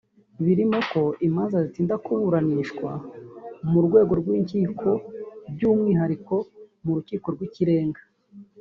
birimo ko imanza zitinda kuburanishwa mu rwego rw’inkiko by’umwihariko mu rukiko rw’ikirenga